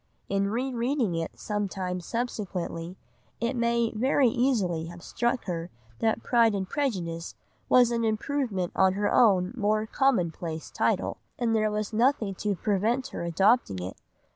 In re reading it some time subsequently it may very easily have struck her that "Pride and Prejudice" was an improvement on her own more common place title, and there was nothing to prevent her adopting it.